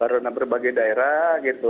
karena berbagai daerah gitu